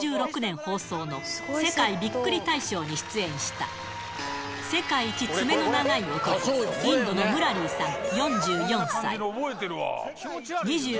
放送の世界ビックリ大賞に出演した、世界一爪の長い男、インドのムラリーさん４４歳。